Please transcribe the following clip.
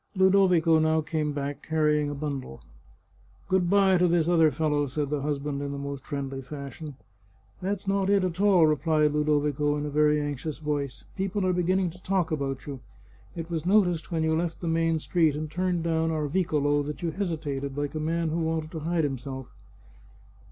Ludo vico now came back, carrying a bundle. " Good bye to this other fellow," said the husband in the most friendly fashion. " That's not it at all," replied Ludovico, in a very anx ious voice. " People are beginning to talk about you. It was noticed when you left the main street and turned down our vicolo that you hesitated, like a man who wanted to hide himself."